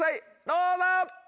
どうぞ！